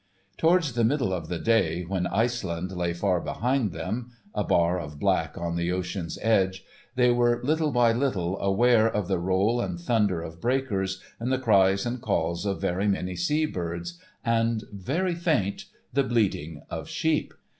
Towards the middle of the day, when Iceland lay far behind them,—a bar of black on the ocean's edge,—they were little by little aware of the roll and thunder of breakers, and the cries and calls of very many sea birds and—very faint—the bleating of sheep.